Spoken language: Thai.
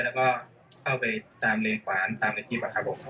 แล้วก็เข้าไปตามเลนความตามในคลิป